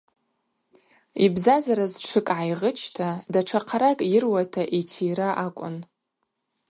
Йбзазараз тшыкӏ гӏайгъычта датша хъаракӏ йыруата йтийра акӏвын.